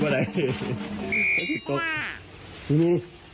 ไม่เป็นไร